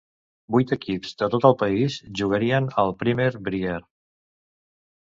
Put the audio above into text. Vuit equips de tot el país jugarien al primer Brier.